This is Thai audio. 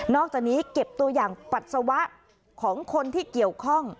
อกจากนี้เก็บตัวอย่างปัสสาวะของคนที่เกี่ยวข้อง